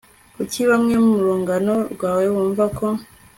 kuki bamwe mu rungano rwawe bumva ko